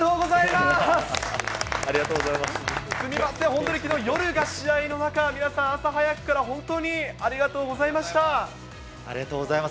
すみません、本当にきのう夜が試合の中、皆さん、朝早くから本当にありがありがとうございます。